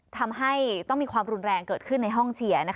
ทำให้ต้องมีความรุนแรงเกิดขึ้นในห้องเชียร์